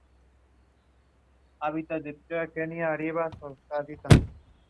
La capilla puede ser visitada durante las horas de apertura del museo.